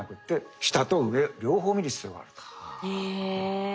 へえ。